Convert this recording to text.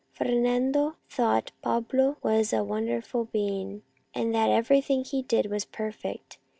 Fernando thought Pablo was a wonderful being, and that everything he did was perfect.